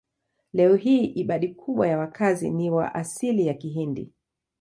Leo hii idadi kubwa ya wakazi ni wa asili ya Kihindi.